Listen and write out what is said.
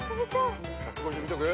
１５０見とく？